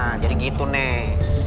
nah jadi gitu nih